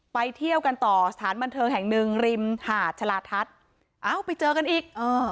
เที่ยวกันต่อสถานบันเทิงแห่งหนึ่งริมหาดชะลาทัศน์เอ้าไปเจอกันอีก